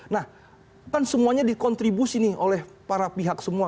nah kan semuanya dikontribusi nih oleh para pihak semua